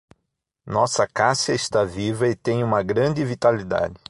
Nossa acácia está viva e tem uma grande vitalidade.